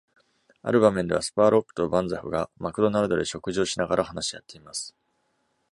ある場面では、スパーロックとバンザフがマクドナルドで食事をしながら話し合っています。